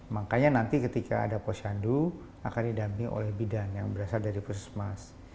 makanya nanti ketika ada puskesmas akan didampingi oleh bidan yang berasal dari puskesmas